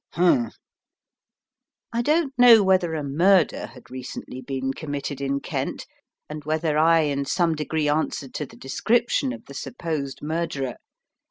"Humph!" I don't know whether a murder had recently been committed in Kent, and whether I in some degree answered to the description of the supposed murderer.